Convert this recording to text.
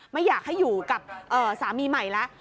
ไม่อยากให้อยู่กับสามีใหม่แล้ว